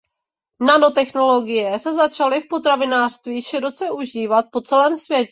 Nanotechnologie se začaly v potravinářství široce užívat po celém světě.